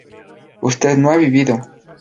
usted no ha vivido